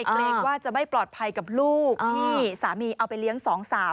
เกรงว่าจะไม่ปลอดภัยกับลูกที่สามีเอาไปเลี้ยงสองสาว